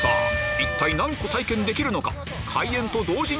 一体何個体験できるのか？